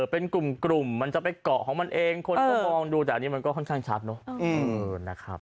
เป็นกลุ่มมันจะไปเกาะของมันเองคนก็มองดูแต่อันนี้มันก็ค่อนข้างชัดเนอะนะครับ